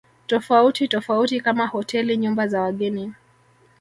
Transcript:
tofauti tofauti kama hoteli nyumba za wageni